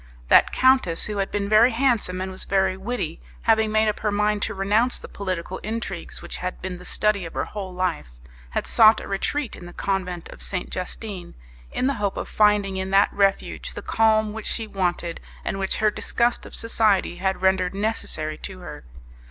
That countess, who had been very handsome and was very witty, having made up her mind to renounce the political intrigues which had been the study of her whole life, had sought a retreat in the Convent of St. Justine, in the hope of finding in that refuge the calm which she wanted, and which her disgust of society had rendered necessary to her.